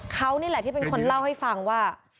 เขานี่แหละที่เป็นคนเล่าให้ฟังว่า